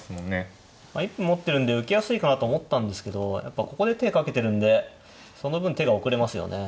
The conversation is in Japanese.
一歩持ってるんで受けやすいかなと思ったんですけどやっぱここで手かけてるんでその分手が遅れますよね。